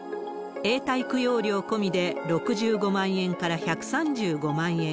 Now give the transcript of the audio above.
永代供養料込みで６５万円から１３５万円。